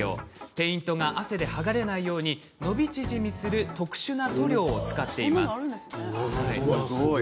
ペイントが汗で剥がれないように伸び縮みするような特殊な塗料を使っています。